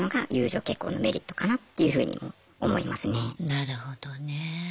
なるほどね。